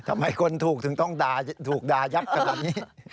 ทำไมคนถูกถึงต้องถูกดายักษ์ก็แบบนี้